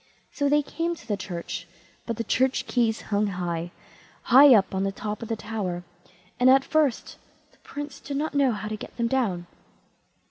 So they came to the church; but the church keys hung high, high up on the top of the tower, and at first the Prince did not know how to get them down.